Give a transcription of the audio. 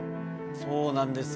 そうなんです